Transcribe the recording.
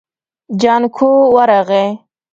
جانکو ورغی.